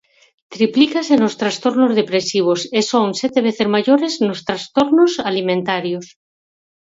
Triplícase nos trastornos depresivos e son sete veces maiores nos trastornos alimentarios.